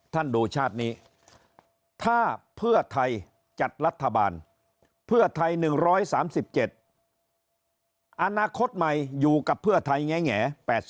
ดูชาตินี้ถ้าเพื่อไทยจัดรัฐบาลเพื่อไทย๑๓๗อนาคตใหม่อยู่กับเพื่อไทยแง๘๐